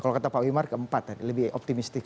kalau kata pak wimar keempat tadi lebih optimistik